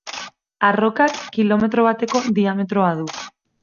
Arrokak kilometro bateko diametroa du.